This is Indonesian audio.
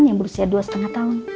yang berusia dua lima tahun